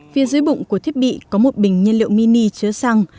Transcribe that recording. phía dưới bụng của thiết bị có một bình nhiên liệu mini chứa xăng